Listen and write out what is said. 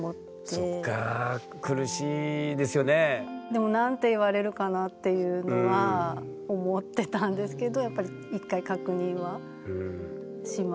でも何て言われるかなっていうのは思ってたんですけどやっぱり一回確認はしましたね。